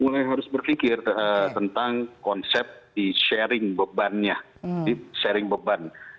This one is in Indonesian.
mulai harus berpikir tentang konsep di sharing bebannya